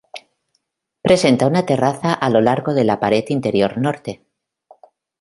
Presenta una terraza a lo largo de la pared interior norte.